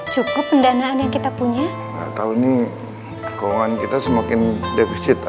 cukup pendanaan yang kita punya atau nih kawan kita semakin dublin